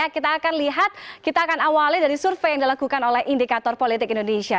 kita akan lihat kita akan awali dari survei yang dilakukan oleh indikator politik indonesia